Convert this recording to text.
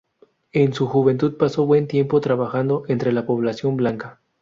En su juventud pasó buen tiempo trabajando entre la población blanca.